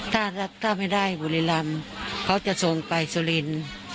ถ้าไม่ได้บุรีรำเขาจะส่งไปสุรินทร์